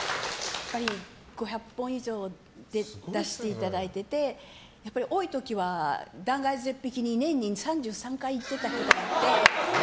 やっぱり５００本以上出していただいてて多い時は断崖絶壁に年に３３回行ってたことがあって。